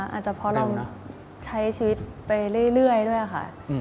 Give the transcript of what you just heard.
แต่พอเราใช้ชีวิตไปเรื่อยด้วยค่ะ